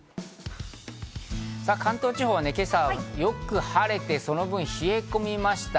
関東地方は今朝、よく晴れてその分、冷え込みました。